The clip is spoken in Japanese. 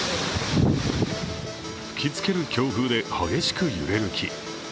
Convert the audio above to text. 吹きつける強風で激しく揺れる木。